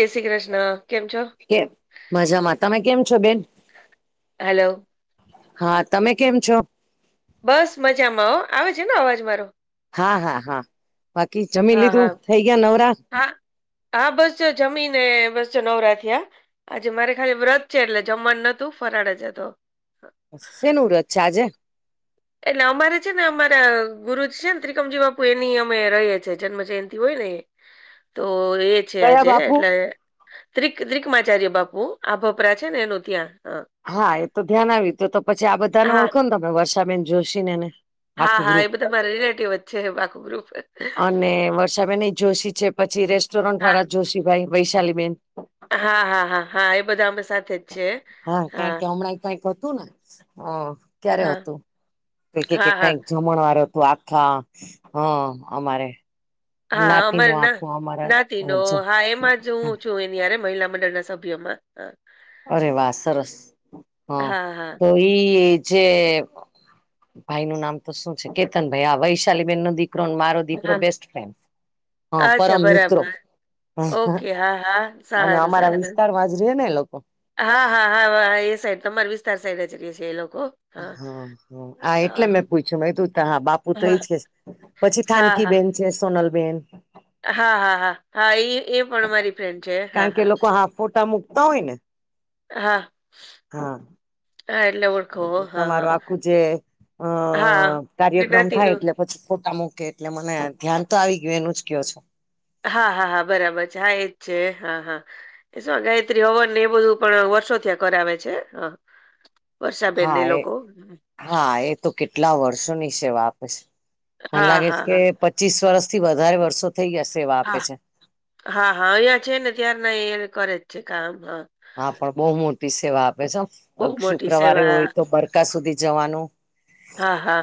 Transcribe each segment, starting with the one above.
કેસી કૃષ્ણ કેમ છો. કે મજામાં તમે કેમ છો બેન. હલો. હા તમે કેમ છો. બસ મજામાં ઓ આવે છે ને અવાજ મારો. હા હા હા બાકી જમી હા હા લીધું થઈ ગયા નવરા. હા હા બસ જો જમીને બસ જો નવરાથીયા. આજે મારે ખાલી વ્રત છે એટલે જમવાનું નતું ફરાડ જ હતો. બસ સેનું વ્રત છે આજે? એટલે અમારે છે ને અમારા ગુરુ છે ને ત્રિકમજી બાપુ એની અમે રએ છીએ જન્મ જયંતિ હોય ને એ. તો એજ છે કયા આજે બાપુ એટલે ત્રિક ત્રિકમાચાર્ય બાપુ આભપરા છે ને એનું ત્યાં હા. હા એ તો ધ્યાન આવી હતું તો પછી આ બધાને હા ઓળખો ને તમે વર્ષાબેન જોશી નેન હા આખું હા ગ્રુપ એ બધા મારા રિલેટિવ જ છે આખું ગ્રુપ અને વર્ષાબેન ઈ જોશી છે. પછી રેસ્ટોરન્ટ હા વાળા જોશીભાઈ વૈશાલીબેન હા, હા, હા, હા એ બધા અમે સાથે જ છે હા કારણ કે હમણાં કઈક હતું ને હા ક્યારે હા, હતું એ કે કે હા, હા, કઈક જમણ વાળ તો આખા હ અમારે હા નાતી અમારે નું ના આખું અમારા નાતી નો જ. હા એમાં જ હું છું એની આયરે મહિલા મંડળ ના સ ભ્યમાં હા. અરે વા સરસ હા તો ઈ જે ભાઈ નું નામ તો શું છે કેતન ભાઈ આ વૈશાલી બેેન નો દીકરોને મારો દીકરો હા, બેસ્ટ ફ્રેન્ડ હ અચ્છા પરમ મિત્રો બરાબર. હ હ ઓકે, હા, હા, અને સારું, અમારા સારું. વિસ્તારમાં જ રે ને એ લોકો. હા હા હા હા એ સાઈડ તમાર વિસ્તાર સાઈડ જ રે છે એ લોકો હા હા એટલે મેં પૂછ્યું મે કીધું હા બાપુ તો એ હા, જ છે પછી હા, હા, થાનકી બેેન છે સોનલબેન હા હા હા હા એ એ પણ મારી ફ્રેન્ડ છે હા કારણ કે હા લોકો ફોટા મૂકતા હોય ને હા હા હા એટલે ઓળખો. એટલે હા, હા, તમારું આખું જે હા, અહ કાર્યક્રમ થાય જ્ઞાતિનું એટલે પછી ફોટા મૂકે એટલે મને ધ્યાન તો આવી ગયું એનું જ ક્યો છો. હા હા હા બરાબર છે હા એજ છે હા હા ગાયત્રી હવન ને એ બધું પણ વર્ષો ત્યાં કરાવે છે હા વર્ષાબેનને એ લોકો હા એ તો કેટલા વર્ષોની સેવા આપે છે મને હા લાગે હા છે હા કે પચીસ વર્ષ થી વધારે વર્ષો થઈ જશે સેવા આપે હા છે હા હા અઈયા છે ને ત્યાર ના કરે જ છે કામ હા હા પણ બહુ મોટી સેવા આપે છે હો બહુ અક મોટી શુક્રવારે સેવા હોય તો બરકા સુધી જવાનું હા હા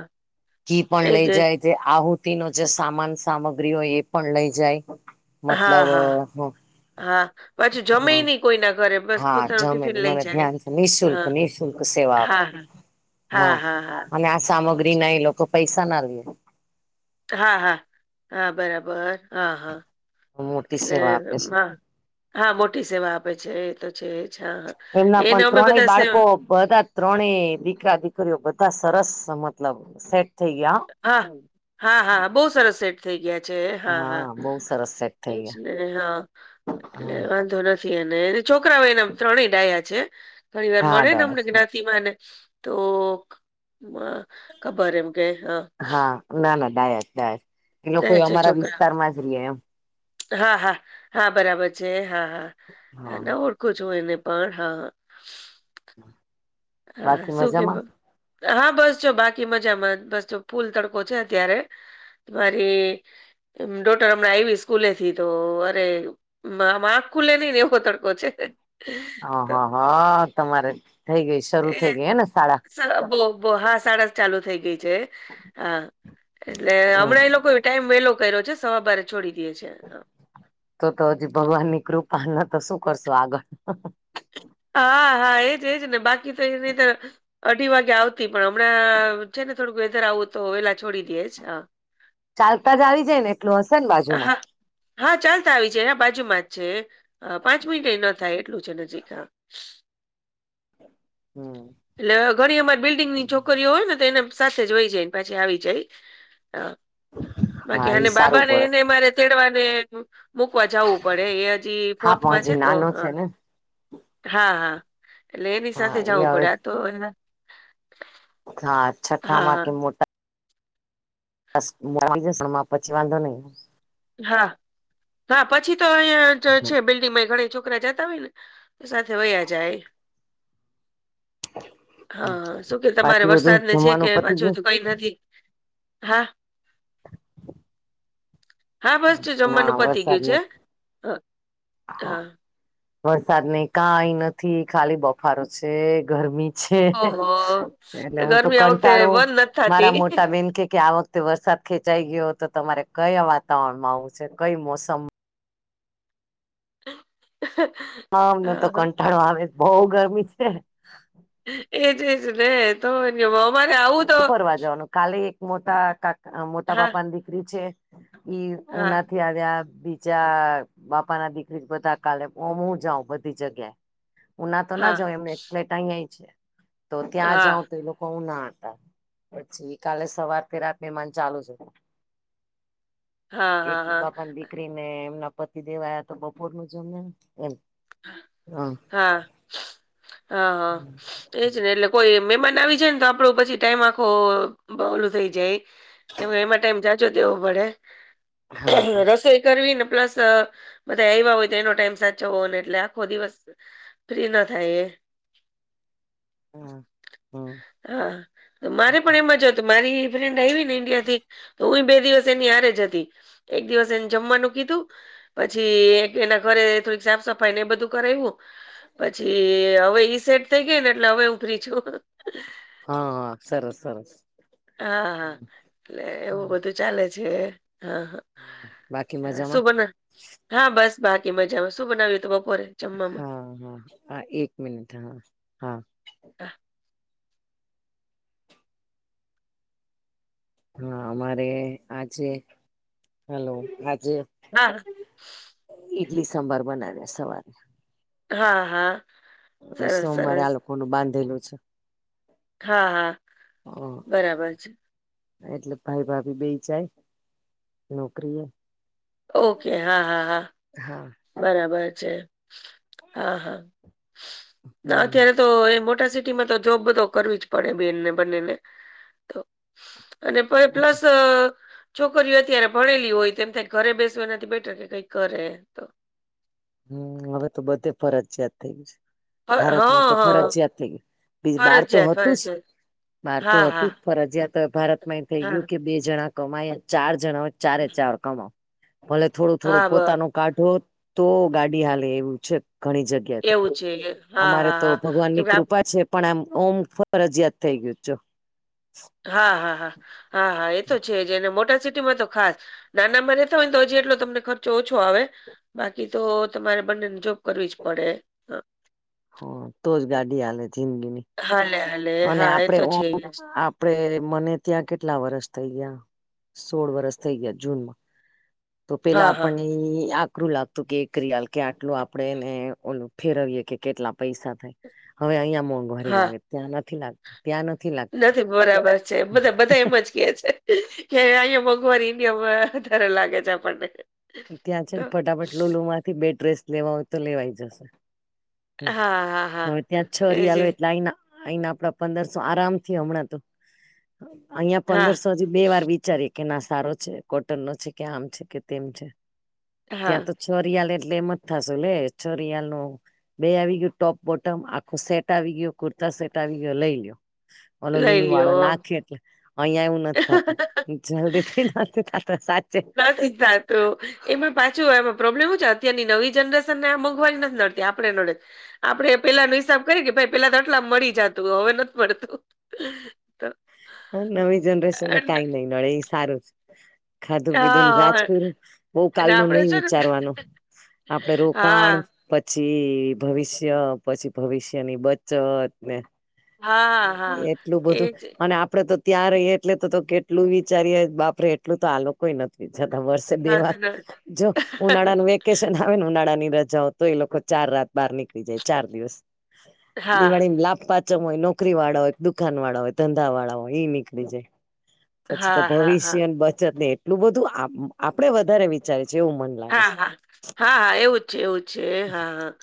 ઘી પણ લઇ એજ એજ જાય. જે આહુતિ નો જે સામાન સામગ્રી હોય એ પણ લઇ જાય. હા મતલબ હા હા પાછું જમેય અ નહી કોઈના ઘરે બસ હા પોતાનું ટિફિન જમેલું લઈ મને જાય ધ્યાન છે નિઃશુલ્ક હા નિઃશુલ્ક સેવા આપે હા હા હા હા હા અને આ સામગ્રી ના એ લોકો પૈસા ના લે હા હા હા બરાબર હા હા મોટી એટલે સેવા આપે છે. હા હા મોટી સેવા આપે છે એ તો છે એ જ હા એમના હ એને પણ અમે ત્રણેય બધા બાળકો સેવા બધા ત્રણે દીકરા દીકરીઓ બધા સરસ મતલબ સેટ થઈ ગયા હા હા હા હા બહુ સરસ સેટ થઈ ગયા છે હા હા બહુ સરસ છે. એજ ને હા એટલે વાંધો નથી થી એને છોકરાઓ એના ત્રણેય ડાયા છે, ઘણી વાર હા મળે ને અમને ડાયસ જ્ઞાતિમાં ને તો મ ખબર એમ કે હા ના ના ડાયા છે ડાયા છે. ડાયા છે છોકરા હા હા હા બરાબર છે, હા હા ના ઓળખું છું એને પણ હા. હા હા હા શું કીધું હા બસ જો બાકી મજામાં બસ તો ફૂલ તડકો છે અત્યારે મારી ડોટર હમણાં આવી સ્કૂલે થી તો અરે મા મા ખુલે ને એવો તડકો છે. હ હ તો હા તમારે થઈ ગઈ શરૂ થઈ એ ગઈ હ ને શાળા બો બો હા શાળા ચાલુ થઈ ગઈ છે હા એટલે હમ હમણાં એ લોકો ટાઈમ વેલો કર્યો છે સવા બારે છોડી દે છે તો તો હજી ભગવાન ની કૃપાને તો શું કરશો આગળ હા હા એજ એજ ને બાકી તો એ અઢી વાગે આવતા પણ હમણાં છેને, થોડુંક વેધર આવું તો વેલા છોડી દે હા ચાલતા જ આવી જાય ને એટલું હશે ને બાજુમાં હા ચાલતા આવી જાય એના બાજુમાં જ છે પાંચ મિનિટ ન થાય એટલું છે, નજીક હા હ હમ એટલે ઘણી અમારી બિલ્ડિંગની છોકરીઓ હોય ને તો એને સાથે જ વહી જાયને પાછી આવી જાય. હા હા બાકી એ અને સારું બાબાને પડે એને મારે તેડવાને મૂકવા જવું પડે એ હજી હા પણ ફોર્થમાં છે, હજી તો નાનો હ છે ને હા હા એટલે એની હા સાથે એ જવું હવે પડે તો હા, હા છઠ્ઠામાં હા કે મોટા બ મો જ પછી વાંધો નહી હા હા પછી તો અહીંયા છે, બિલ્ડિંગમાં ઘણી ચોખ છોકરા જતા હોય ને તો સાથે વયા જાય. હા શું કે તમારે બાકી બધું વરસાદને છે કે જમવાનું પતી પાછું ગયું તો કઈ નથી. હા હા બસ ના જમવાનું પતી વરસાદ ગયુ ને છે, હ વરસાદ ને કાઈ નથી ખાલી બફારો છે, ગરમી ઓહો એટલે હું તો ગરમી આ વખતે કંટાળું બંધ નથી મારા થતી મોટા બેન કે કે આ વખતે વરસાદ ખેંચાઈ ગયો તો તમારે કયા વાતાવરણમાં આવું છે, કઈ મોસમ હ હમને તો કંટાળો આવે બઉ ગરમી છે. એજજલે તો જવામાં ગ ફરવા જવાનું કાલે એક મોટા કાકા મોટા હા પાપા ની દીકરી છે. ઈ હા ઉનાથી આવ્યા બી ચાર બાપા ના દીકરી જ બધા કાલે હું જાઉં બધી જગ્યાએ ઉના તો ના હા જાવ એમને એક ફ્લેટ અહીંયા છે, તો ત્યાં હા જાાવ તો એ લોકો ઉ ના પછી કાલે સવારથી રાત મેમાન ચાલુ છે. હા એક હા હા બાપાની દીકરી ને એમના પતિ દેવાયા તો બપોરનું જમ એમ હા હા હા એજ ને એટલે કોઈ મે બનાવી છેને, તો આપડો પછી ટાઈમ આખો બલું થઈ જાય. કે હું એમાં ટાઈમ જજો તો એવું પડે હા રસોઈ કરવી ને પ્લસ બધા આવ્યા હોય, તો એનો ટાઈમ સાચવવો એટલે આખો દિવસ ફ્રી ના થાય એ હમ હા મારે પણ એમાં જ તો મારી ફ્રેન્ડ આવી ને ઇન્ડિયા થી તો હું બે દિવસ એનીયાર જ હતી એક દિવસ એને જમવાનું કીધું પછી એક એના ઘરે થોડીક સાફ સફાઈ ને એ બધું કરવું પછી એ હવે ઈ સેટ થઈ ગઈ ને એટલે હવે હું ફ્રી છુ. હા હા સરસ સરસ હા હા એટલે એવું બધું ચાલે છે, હા હ બાકી હા, શું મજામાં બના હા બસ બાકી મજામાં શું બનાવીએ તો બપોરે જમવામાં હા હા હા, એક મિનટ હા હા હા હા અમારે આજે હલો આજે [inaudible] ઇડલી સાંભર બનાવ્યા સવારે. હા હા. સરસ સોમવારે સરસ આ લોકો નું બાંધેલું છે હા હા. હા. બરાબર છે એટલે ભાઈ ભાભી બે જાય નોકરી એ. ઓકે હા હા હા. હા. બરાબર છે હા હા હમ [unintelligible] તો એ મોટા સિટીમાં તો જોબ બધો કરવી જ પડે બેનને બંનેને. તો અને પ પ્લસ છોકરીઓ અત્યારે ભણેલી હોય તો એમ થાય ઘરે બેસવા એ નથી બેટર કે કઈક કરે. હમ હવે તો બધે ફરજિયાત થઈ ગય છે. હ- ભારતમાં તો હા હા ફરજયાત થઈ ગ બી બાર તો ફરજિયાત હતું જ ફરજિયાત બહાર તો હા હતું હા જ ફરજિયા તો ભારત માં એ થઈ હા ગયું કે બે જણા કમા ચાર જણા ચારે ચાર કમા. ભલે થોડું થોડું હા બ પોતાનો કાઢો તો ગાડી હાલે એવું છે ઘણી જગ્યા એવું છે હા અમારે હા તો હા ભગવાન ની કેમકે કૃપા છે પણ આમ ઓમ ફરજયાત થઈ ગયું છો. હા હા હા હા હા એ તો છે જને મોટા સિટીમાં તો ખાસ નાના માં રેતા હોય ને તો હજી એટલો તમને ખર્ચો ઓછો આવે બાકી તો તમારે બંને જો બ કરવી જ પડે. અ, હ તો જ ગાડી આલ જિનગિણી. હાલે હાલે. અને હા, એ આપડે તો છે જ. [unintelligible] આપડે મને ત્યાં કેટલા વરસ થઈ ગયા સોળ વરષ થઇ ગયા જૂનમાં. તો પેલા હા, હા, આપણ આકરું લાગ તું કે એક રિયાલ કે આટલું આપણેેને ઓ ફેરવીયે કે કેટલા પૈસા થાય. હવે અહીં મોંઘવારી હા. લાગે, ત્યાં નથી લાગત ત્યાં નથી લાગ નથી બરાબર છે બધા બધા એમ જ કે છે કે અહીયા મોઘવારી વધારે લાગે છે આપણને. ત્યાં છે તો ને ફટાફટ લોલ માંથી બે ડ્રેસ લેવા હોય તો લેવાય જશે. હા, હા, હા. હવે ત્યાં છ એજ રિયાલો એ. એટલે આના આપડા પંદરસો આરામથી હમણાં તો અહિયાં હા, પંદરસો બે વાર વિચારી કે ના સારો છે કોટન નો છે કે આમ છે કે તેમ છે. હા. ત્યાં તો ચોરયાલ એટલે એમ જ થશેું લે ચોરિયાલ નું બે આવી ગયું ટોપ-બોટમ આખું સેટ આવી ગયો કુર્તા સેટ આવી ગયો લઈ લ્યો. ઓલો લઈ લુલ વાળો લ્યો. નાખ્યો એટલે અહં એવું નથી થતું જલ્દી નથી થત સાચ [unintelligible] તો એમાં પાછું એમાં પ્રોબ્લેમ હ છે અત્યારની નવી જનરેશન ને મોંઘવાની નથી નડતી આપણે નડે આપડે પેલા ન હિસાબ કરી કે ભ પેલા તો આટલા મળી જતું હવે નથી મળતું. હ નવી જનરેશન ને કઈ અને નહી નડે એ સારું છે ખાધું પીધું હા ને રાજ હા કરુું બહ કાલ અને ન આપડે નહી છે ને વિચારવાનું. આપડે રોકાણ હા પછી ભવિષ્ય પછી ભવિષ્ય ની બચત ને હા હા એટલું બધું એજ નથી અને આપડે તો ત્યાં ર એટલે તો તો કેટલું વિચારીએ બાપરે એટલું તો આલો કોઈ નથી જતા વર્ષે બે વાર નડતું. જો ઉનાળાનું વેક વેકેશન આવેને ઉનાળા ની રજાઓ તો એ લોકો ચાર રાત બહાર નીકળી જાય ચાર દિવસ હા દિવાળી ને લાભ પાચ હોય નો નોકરી વાળા હોય દુકાન વાળા હોય ધંધા વાળા હોય ઈ નીકળી જાય પછી તો હા હા હા ભવિષ્ય બચત ને એટલું બધું આપડે વધારે વિચારે છે એવું મને હા હા હા હા એવું જ છે એવું છે હા હા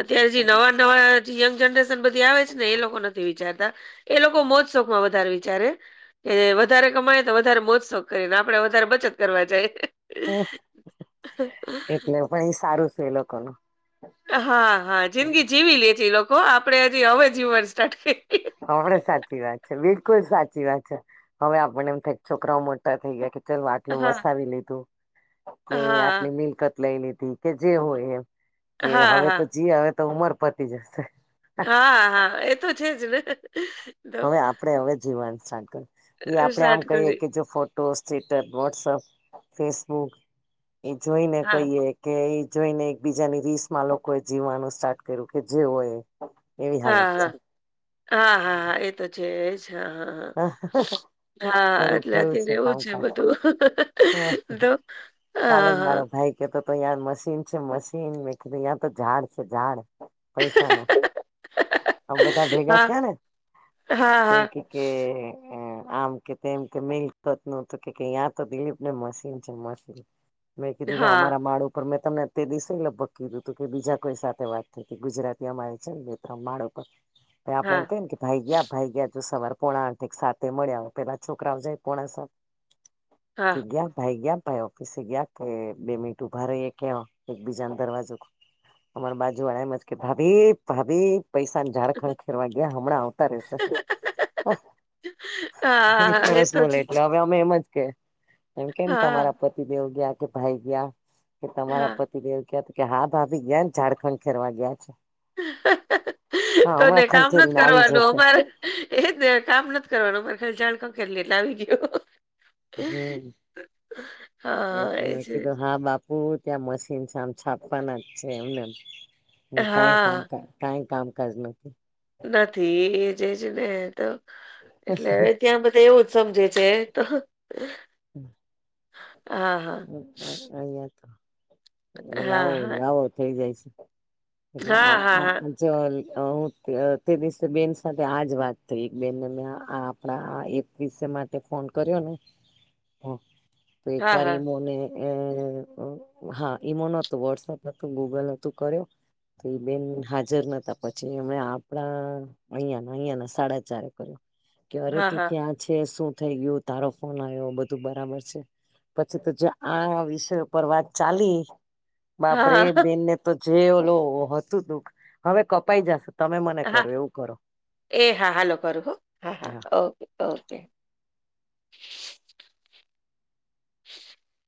અત્યારે જે નવા નવા યંગ જનરેશન બધી આવે છે ને એ લોકો નથી વિચારતા એ લોકો મોજ શોખમાં વધારે વિચારે કે વધારે કમાય તો વધારે મોજસોખ કરીને આપડે વધારે બચત કરવા જાય ઓહ તો [unintelligible] પણ એ સારું છે એ લોકો ન હા હા જિંદગી જીવી લે છે લોકો આપડે હજી હવે જીવન સ્ટાર્ટ કરી આપડ સાચી વાત છે બિલકુલ સાચી વાત છે હવે આપને એમ થ છોકરાઓ મોટા થઈ ગયા ચાલ આટલું હા વસાવી લીધું કે હા આટલી મિલકત લઈ લીધી કે જે હોય એમ કે હા હવે હા તો જી હવે તો ઉંમર પતી જશે હા હા એ તો છેજ ને તો હવે આપણેે હવે જીવન સાર કર્યું એ આપડે આમ સ્ટાર્ટ કહીએ કરી કે જો ફો ફોટોસ ટ્યુટર વોટસઅપ ફેસબુક એ જોઈને હા કહીએ કે એ જોઈને એક બીજાની રીસમાં લોકો એ જીવવાનું સ્ટાર્ટ કર્યું કે જેવ એ એવી હાલત હા છે હા હા હા હા એ તો છે જ હા હા હ હા ખરું એટલે અત ખરું એવું છે કામકાજ બધું હ તો કાલે જ મારો હા, ભાઈ કે તોતો યાર મશીન છે મશીન મશીન મે કીધું અહ્યા તો ઝાડ છે ઝાડ હા. પૈસા નો અમ બધા ભેગા થયા ને હા, તો હા, કે આમ કે તેમ કે મલપતનો કે યહાં તો ભીડ ને મશીન છે મશીન મેં હા. કીધું છે અમારા હા, માળું પણ મેં તમને તે દિવસે લગભગ કીધું હતું કે બીજા કોઈ સાથે વાત નથી ગુજરાતી અમારે છે નેમિત્ર માડા પર [inaudible] એ આપડે એમ હા, કયને કે ભાઈ ગયા ભાઈ ગયા જો સવારે પોણા સાતે સાથે મળે હવે પેલા છોકરાઓ જાયે પોણા સાતે કે હા. ગ્યા ભાઈ ગ્યા ભાઈ ઓફિસે ગયા કે બે મિનિટ ઉભા રહી કે એકબીજા દરવાજો અમારા બાજુ વાળા આમજ કે ભાભી ભાભી પૈસા ની ઝાડ ખનખેરવા ગયા હમણાં આવતા રહેશે હા, હા. એ તો [unintelligible] જી એટલે હવે અમે એમ જ કે એમ કેમ હા, તમારા પતિદેવ ગયા કે ભાઈ ગયા કે હા. તમારા પતિદેવ ક કે હા ભાભી ગયા ઝાડ ખનખેર વા ગયા છે હા તોને હમણાં કામ નત ખંખેરીને આવી કરવાનું જશે અમારે એ જ ને કામ નથ કરવાનુ બસ ઝાડ ખનખેરી લે એટલે આવી ગયો હમ્મ હા, એટલે એ મેં છે. કીધું હા બાપ બ ત્યાં મશીન છે આમ છાપવાના જ છે એમને કઈ હા. કામ કઈ કામકાજ નથી નથી એ જેજ ને તો એટલે હવે ત્યાં બધા એવું જ સમજે છે [unintelligible] હા હા અહિયા તો લાવો હા લાવો થઈ જાય હા હા હા છે એટલે હ તે દિવસે બેન સાથે આજ વાત થઈ એક બેનને મે આપણા આ એક વિષ માટે ફોન કર્યો ને તો એક હા વાર હા એ મોને એ હા ઈમોનતો વોટ્સપ હતું ગૂગલ હતું કર્યો તો એ બેન હાજર નતા પછી એમણે આપડા અહિયાંના અહિયાંના સાડા ચારે કર્યો. કે અરે હા હા તું હા ત્યાં છે, શું થઇ ગયું? તારો ફોન આવ્યો બધું બરાબર છે? પછી તો જે આ વિષય પર વાત ચાલી, બાપરે હા હા બેનને તો જે ઓલું હતું દુઃખ હવે કપાઈ જાશે. હા એ હા હાલો કરું હો, હા હા ઓકે, ઓકે. [inaudible]